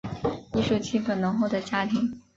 艺术气氛浓厚的家庭